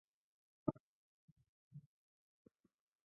胡海滨。